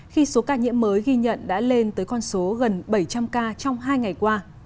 khi số ca nhiễm mới ghi nhận đã lên tới con số gần bảy trăm linh ca trong hai ngày qua